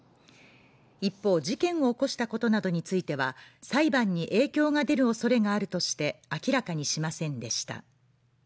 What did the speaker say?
一方、事件を起こしたことなどについては裁判に影響が出る恐れがあるとして明らかにしませんでした。